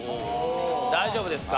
大丈夫ですか？